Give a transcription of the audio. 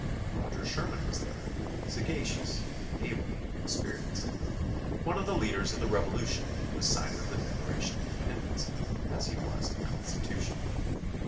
Roger Sherman was there, sagacious, able, experienced; one of the leaders of the Revolution and a signer of the Declaration of Independence, as he was of the Constitution.